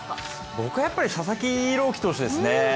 僕はやっぱり佐々木朗希投手ですね。